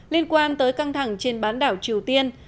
liên quan tới căng thẳng trên bán đảo triều tiên